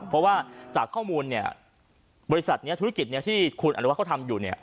เพราะว่าจากข้อมูลบริษัทนี้ธุรกิจที่คุณอนุวัติเขาทำอยู่